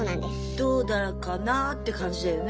どうだかなって感じだよね。